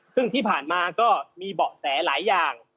ซึ่งที่ผ่านมาก็มีเบาะแสหลายอย่าง